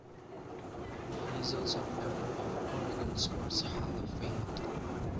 He is also a member of Oregon Sports Hall of Fame.